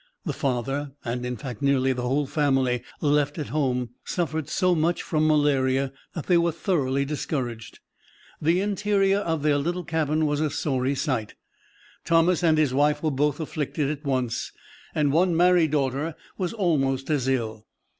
The father and, in fact, nearly the whole family left at home suffered so much from malaria that they were thoroughly discouraged. The interior of their little cabin was a sorry sight Thomas and his wife were both afflicted at once, and one married daughter was almost as ill.